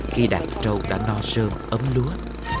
khi đặt trâu đã no sơm ấm lúa